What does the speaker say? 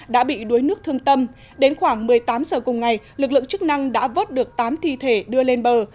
đã bị đuối nước thương tâm đến khoảng một mươi tám h cùng ngày lực lượng chức năng đã vớt được tám thi thể đưa lên bờ